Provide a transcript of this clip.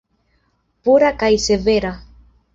Pura kaj severa.